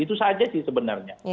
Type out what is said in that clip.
itu saja sih sebenarnya